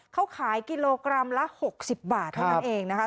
เขาขายกิโลกรัมละ๖๐บาทเท่านั้นเองนะคะ